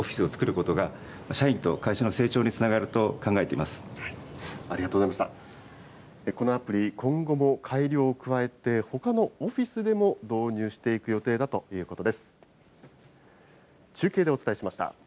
このアプリ、今後も改良を加えて、ほかのオフィスでも、導入していく予定だということです。